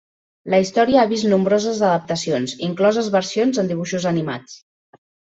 La història ha vist nombroses adaptacions, incloses versions en dibuixos animats.